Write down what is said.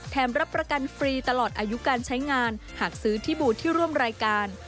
รับประกันฟรีตลอดอายุการใช้งานหากซื้อที่บูธที่ร่วมรายการ